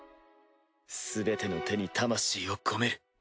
すべての手に魂を込める。